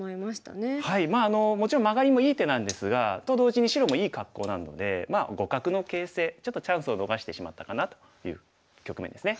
まあもちろんマガリもいい手なんですがと同時に白もいい格好なので互角の形勢ちょっとチャンスを逃してしまったかなという局面ですね。